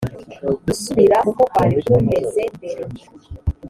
gusubira uko kwari kumeze mbere